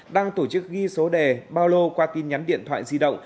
đang tổ chức ghi số đề bao lô qua tin nhắn điện thoại di động